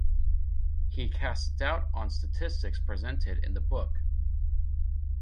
He cast doubt on statistics presented in the book.